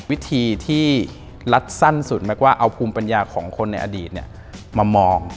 วิธีที่รัดสั้นสุดแม็กว่าเอาภูมิปัญญาของคนในอดีตมามอง